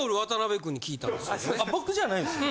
あ僕じゃないんですね。